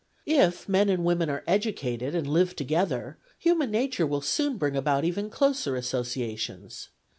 If men and women are educated and live together, human nature will soon bring about even closer associations.